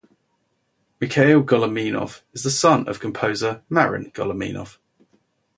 Michail Goleminov is the son of composer Marin Goleminov.